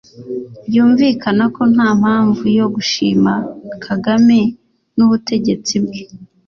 Byumvikana ko nta mpamvu yo gushima Kagame n’ubutegetsi bwe